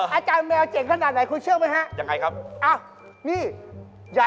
อาจารย์แมวเจ๋งขนาดไหนคุณเชื่อไหมฮะยังไงครับ